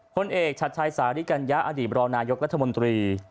พลเอกชัดชัยสาริกัญญะอดีตรองนายกรัฐมนตรี